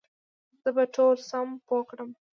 زه به ټول سم پوه کړم